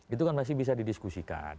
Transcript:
itu kan masih bisa didiskusikan